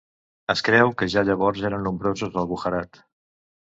Es creu que ja llavors eren nombrosos al Gujarat.